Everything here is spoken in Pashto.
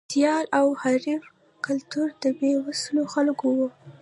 سیال او حریف کلتور د بې وسو خلکو و.